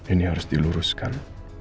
ini harus diluruskan